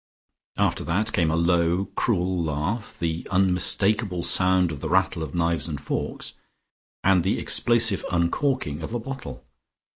After that came a low, cruel laugh, the unmistakable sound of the rattle of knives and forks, and the explosive uncorking of a bottle.